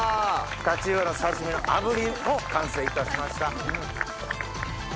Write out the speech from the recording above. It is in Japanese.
タチウオの刺身の炙りも完成いたしました。